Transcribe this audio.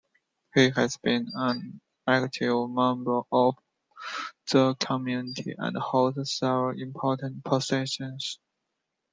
He has been an active member of the community, and holds several important positions.